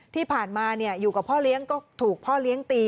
ที่ผ่านมาอยู่กับพ่อเลี้ยงก็ถูกพ่อเลี้ยงตี